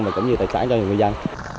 và cũng như tài sản cho người dân